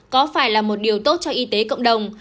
có phải là một điều tốt cho y tế cộng đồng